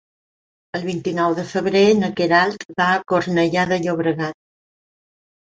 El vint-i-nou de febrer na Queralt va a Cornellà de Llobregat.